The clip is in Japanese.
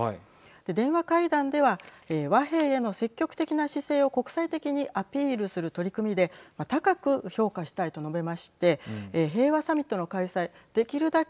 電話会談では和平への積極的な姿勢を国際的にアピールする取り組みで高く評価したいと述べまして平和サミットの開催できるだけ